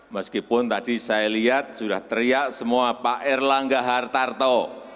meskipun tadi saya lihat sudah teriak semua pak erlangga hartarto